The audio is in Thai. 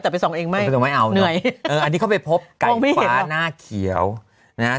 แต่ไปส่องเองไหมไปส่องไม่เอาเลยเอออันนี้เขาไปพบไก่ฟ้าหน้าเขียวนะฮะ